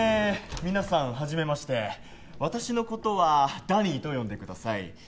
皆さんはじめまして私のことはダニーと呼んでください